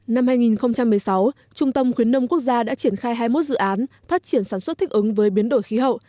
năm hai nghìn một mươi sáu trung tâm khuyến nông quốc gia đã triển khai hai mươi một dự án phát triển sản xuất thích ứng với biến đổi khí hậu